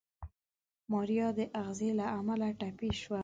ماريا د اغزي له امله ټپي شوه.